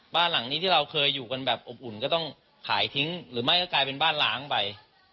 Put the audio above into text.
บ้านหลังนี้ที่เราเคยอยู่กันแบบอบอุ่นก็ต้องขายทิ้งหรือไม่ก็กลายเป็นบ้านล้างไป